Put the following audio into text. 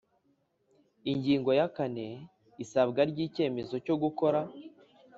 Ingingo ya kane Isabwa ry icyemezo cyo gukora